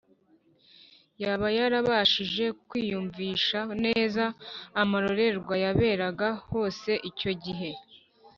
yaba yarabashije kwiyumvisha neza amarorerwa yaberaga hose icyo gihe?